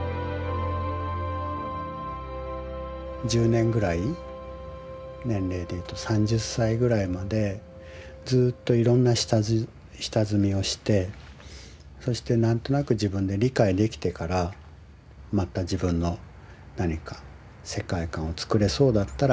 １０年ぐらい年齢でいうと３０歳ぐらいまでずっといろんな下積みをしてそして何となく自分で理解できてからまた自分の何か世界観を作れそうだったらやればいいし。